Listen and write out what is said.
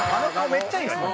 めっちゃいいですね。